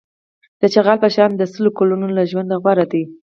د چغال په شان د سل کلونو له ژونده غوره دی.